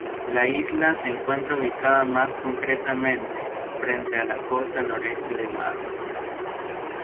La isla se encuentra ubicada, más concretamente, frente a la costa noroeste de Barra.